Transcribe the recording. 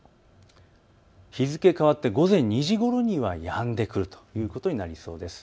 日付変わって午前２時ごろにはやんでくるということになりそうです。